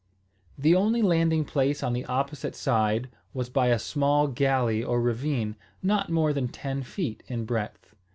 The only landing place on the opposite side was by a small galley or ravine, not more than ten feet in breadth.